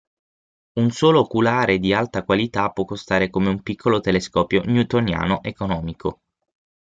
Un solo oculare di alta qualità può costare come un piccolo telescopio newtoniano economico.